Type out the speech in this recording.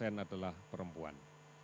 ini adalah perempuan